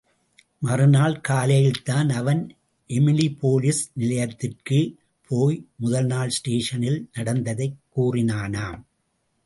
மறுநாள் காலையில்தான்.அவன் எமிலிபோலிஸ் நிலையத்திற்குப் போய் முதல் நாள் ஸ்டேஷனில் நடந்ததைக் கூறினானாம்!